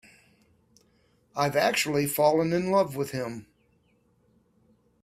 I've actually fallen in love with him.